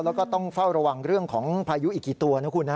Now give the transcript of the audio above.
แล้วก็ต้องเฝ้าระวังเรื่องของพายุอีกกี่ตัวนะคุณฮะ